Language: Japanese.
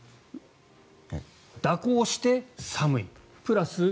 蛇行して寒いプラス